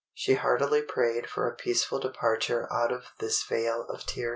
She heartily prayed for a peaceful departure out of this vale of tears.